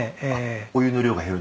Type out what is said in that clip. お湯の量が減る？